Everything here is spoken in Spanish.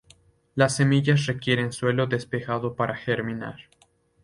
Las semillas requieren suelo despejado para germinar.